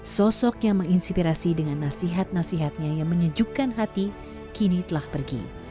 sosok yang menginspirasi dengan nasihat nasihatnya yang menyejukkan hati kini telah pergi